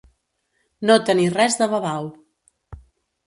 No tenir res de babau.